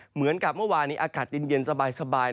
เหมือนกับเมื่อวานนี้อากาศเย็นสบาย